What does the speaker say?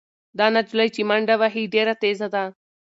دا نجلۍ چې منډه وهي ډېره تېزه ده.